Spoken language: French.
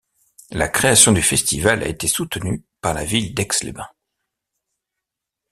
La création du festival a été soutenue par la ville d'Aix-les-Bains.